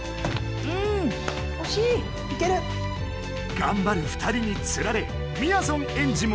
がんばる２人につられみやぞんエンジも。